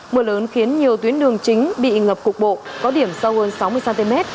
mưa lớn khiến nhiều tuyến đường chính bị ngập cục bộ có điểm sâu hơn sáu mươi cm